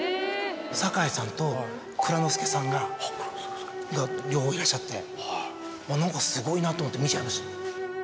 堺さんと蔵之介さんが両方いらっしゃって何かすごいなと思って見ちゃいました。